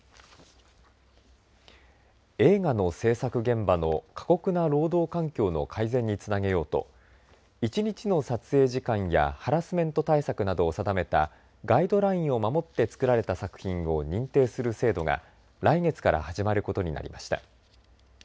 映画の制作現場の過酷な労働環境の改善につなげようと１日の撮影時間やハラスメント対策などを定めたガイドラインを守って作られた作品を認定する制度が来月から始まることになりました。